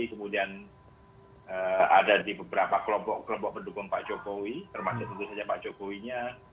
kemudian ada di beberapa kelompok kelompok pendukung pak jokowi termasuk tentu saja pak jokowinya